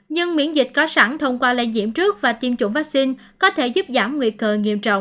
nhưng miễn dịch có sẵn thông qua lây nhiễm trước và tiêm chủng vaccine có thể giúp giảm nguy cơ nghiêm trọng